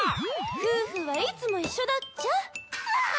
夫婦はいつも一緒だっちゃ。